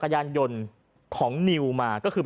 ก็ได้พลังเท่าไหร่ครับ